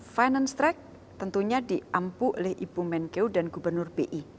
finance trek tentunya di ampuh oleh ibu menkeu dan gubernur bi